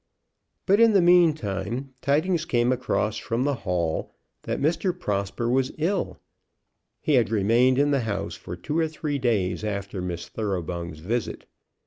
But in the mean time tidings came across from the Hall that Mr. Prosper was ill. He had remained in the house for two or three days after Miss Thoroughbung's visit.